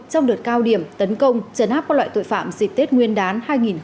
trong đợt cao điểm tấn công chấn háp các loại tội phạm dịp tết nguyên đán hai nghìn hai mươi hai